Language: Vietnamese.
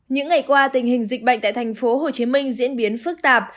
những ngày qua tình hình dịch bệnh tại thành phố hồ chí minh diễn biến phức tạp